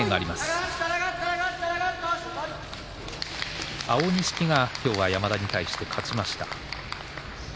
安青錦が今日、山田に対して勝ちました。